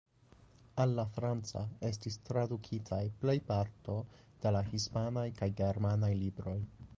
Al la franca estis tradukitaj plej parto de la hispanaj kaj germanaj libroj.